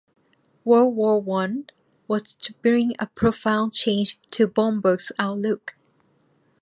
World War One was to bring a profound change to Bomberg's outlook.